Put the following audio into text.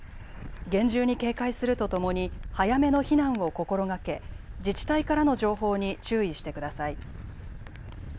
厳重に警戒するとともに早めの避難を心がけ自治体からの情報に注意してください。